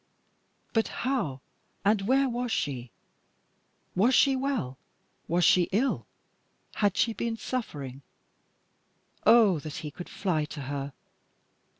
But how and where was she? was she well? was she ill? Had she been suffering? Oh! that he could fly to her.